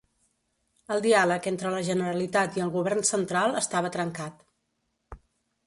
El diàleg entre la Generalitat i el govern central estava trencat.